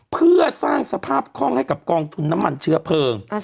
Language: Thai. เพื่อสร้างสภาพคล่องให้กับกองทุนน้ำมันเชื้อเพลิง